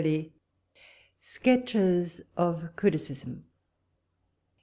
] SKETCHES OF CRITICISM.